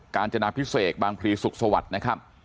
การจนาภิเษกบางพลีศุกรสวรรค์นะครับ